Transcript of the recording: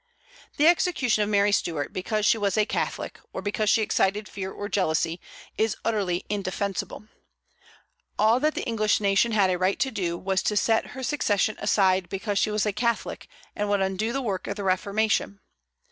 The execution of Mary Stuart because she was a Catholic, or because she excited fear or jealousy, is utterly indefensible. All that the English nation had a right to do was to set her succession aside because she was a Catholic, and would undo the work of the Reformation.